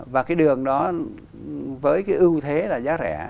và cái đường đó với cái ưu thế là giá rẻ